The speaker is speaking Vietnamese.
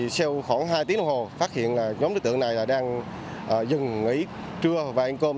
sau khoảng hai tiếng đồng hồ phát hiện là nhóm đối tượng này đang dừng nghỉ trưa và ăn cơm